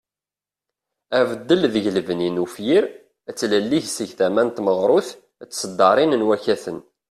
Abeddel deg lbeni n ufyir ,d tlelli seg tama n tmeɣrut d tesddarin d wakaten.